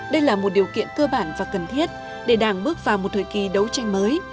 đây là một điều kiện cơ bản và cần thiết để đảng bước vào một thời kỳ đấu tranh mới